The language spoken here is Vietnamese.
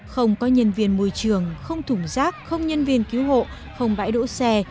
không có nhân viên môi trường không thủng rác không nhân viên cứu hộ không bãi đỗ xe